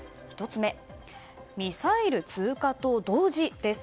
１つ目、ミサイル通過と同時。